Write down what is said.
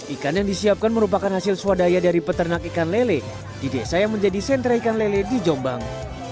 ikan yang disiapkan merupakan hasil swadaya dari peternak ikan lele di desa yang menjadi sentra ikan lele di jombang